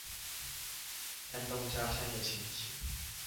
山東家鄉的情形